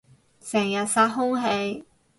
成日殺空氣